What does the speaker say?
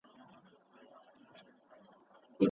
د دغي وني پېښه ډېره عجيبه وه.